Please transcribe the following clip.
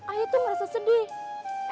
ajie tuh merasa sedih